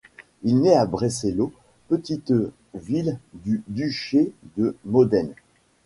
Il naît à Brescello, petite ville du duché de Modène.